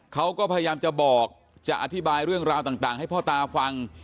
เขาก็พยายามจะบอกจะอธิบายเรื่องราวต่างให้พ่อตาฟัง